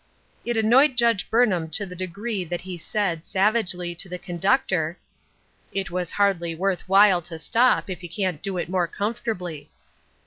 It an noyed Judge Burnham to the degree that he said, savagely, to the conductor, " It was hardly worth while to stop, if you can't do it more com fortably."